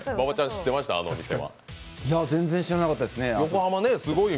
全然知らなかったですね。